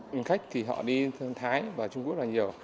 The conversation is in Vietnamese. hành khách thì họ đi thái và trung quốc là nhiều